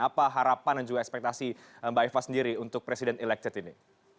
apa harapan dan juga ekspektasi mbak eva sendiri untuk presiden elected ini